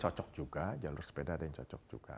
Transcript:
cocok juga jalur sepeda ada yang cocok juga